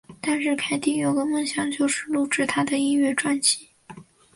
但是凯蒂有个梦想就是录制她的音乐专辑。